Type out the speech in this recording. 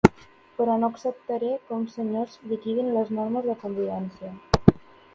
Però no acceptaré que uns senyors liquidin les normes de convivència.